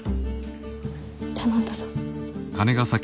頼んだぞ。